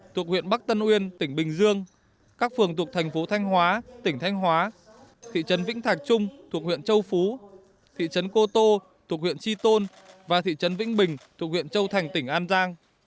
thuộc huyện bắc tân uyên tỉnh bình dương các phường thuộc thành phố thanh hóa tỉnh thanh hóa thị trấn vĩnh thạch trung thuộc huyện châu phú thị trấn cô tô thuộc huyện chi tôn và thị trấn vĩnh bình thuộc huyện châu thành tỉnh an giang